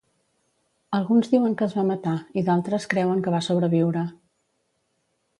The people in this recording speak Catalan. Alguns diuen que es va matar i d'altres creuen que va sobreviure.